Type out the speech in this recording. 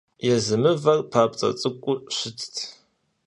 Езы мывэр папцӀэ цӀыкӀуу щытщ.